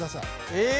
えっ。